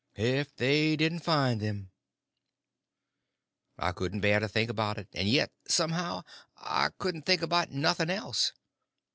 If they didn't find them— I couldn't bear to think about it; and yet, somehow, I couldn't think about nothing else.